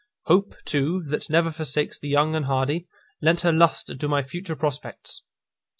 Hope, too, that never forsakes the young and hardy, lent her lustre to my future prospects.